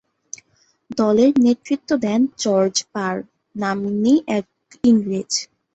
দলের নেতৃত্ব দেন "জর্জ পার" নাম্নী এক ইংরেজ।